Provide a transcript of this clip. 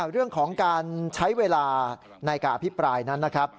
เรื่องของการใช้เวลาในการอภิปรายนั้นนะครับ